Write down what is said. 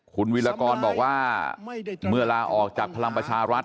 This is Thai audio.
คุณวิรากรบอกว่าเมื่อลาออกจากพลังประชารัฐ